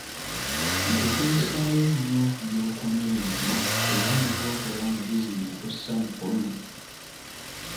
Nkukulisaayo nnyo gy'okomye yonna era ne by'okola nga bizimba, tossa mukono!